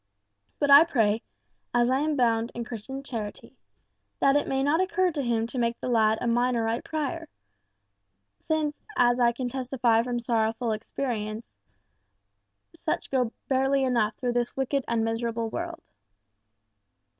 But I pray, as I am bound in Christian charity, that it may not occur to him to make the lad a Minorite friar, since, as I can testify from sorrowful experience, such go barely enough through this wicked and miserable world.